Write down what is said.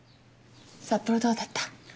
札幌どうだった？